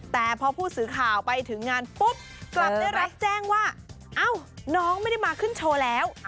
แต่พอผู้สื่อข่าวไปถึงงานปุ๊บกลับได้รับแจ้งว่าเอ้าน้องไม่ได้มาขึ้นโชว์แล้ว